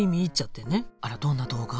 あらどんな動画？